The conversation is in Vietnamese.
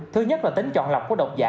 thứ nhất là tính chọn lọc của độc giả